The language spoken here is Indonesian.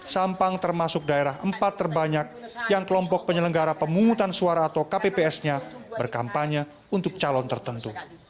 sampang termasuk daerah empat terbanyak yang kelompok penyelenggara pemungutan suara atau kpps nya berkampanye untuk calon tertentu